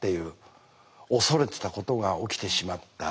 恐れてたことが起きてしまった。